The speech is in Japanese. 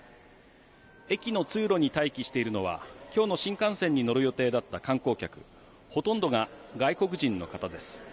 駅の通路に待機しているのは、きょうの新幹線に乗る予定だった観光客、ほとんどが外国人の方です。